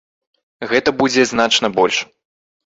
Гэта будзе значна больш.